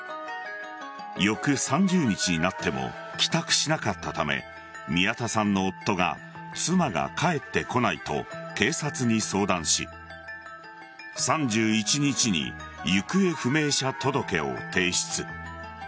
翌３０日になっても帰宅しなかったため宮田さんの夫が妻が帰ってこないと警察に相談し３１日に行方不明者届を提出。